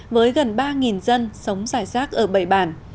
với gần ba dân sống dài rác ở bầy bản